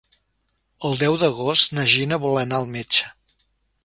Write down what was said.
El deu d'agost na Gina vol anar al metge.